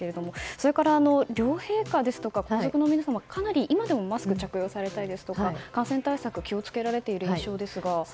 それから両陛下ですとか皇族の皆様はかなり今でもマスクを着用されたりですとか感染対策に気を付けられている印象ですが。